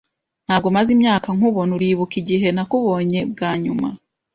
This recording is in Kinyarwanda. Ntabwo maze imyaka nkubona. Uribuka igihe nakubonye bwa nyuma?